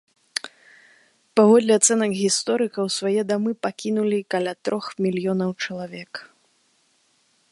Паводле ацэнак гісторыкаў, свае дамы пакінулі каля трох мільёнаў чалавек.